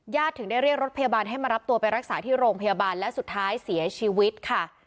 ถึงได้เรียกรถพยาบาลให้มารับตัวไปรักษาที่โรงพยาบาลและสุดท้ายเสียชีวิตค่ะ